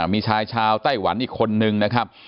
มีชายชาวไต้หวันอีกคนนึงนะครับ